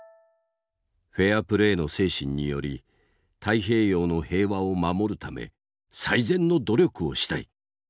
フェアプレーの精神により太平洋の平和を守るため最善の努力をしたい。